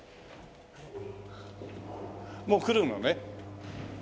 もうくるのね。